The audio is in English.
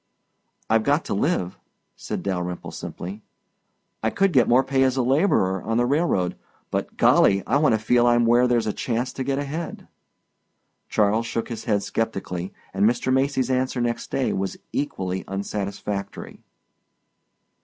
"I've got to live," said Dalyrimple simply. "I could get more pay as a laborer on the railroad but, Golly, I want to feel I'm where there's a chance to get ahead." Charles shook his head sceptically and Mr. Macy's answer next day was equally unsatisfactory.